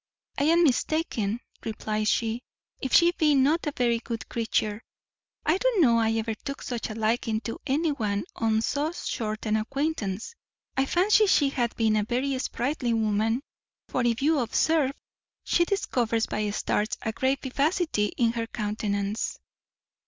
"I am mistaken," replied she, "if she be not a very good creature. I don't know I ever took such a liking to any one on so short an acquaintance. I fancy she hath been a very spritely woman; for, if you observe, she discovers by starts a great vivacity in her countenance."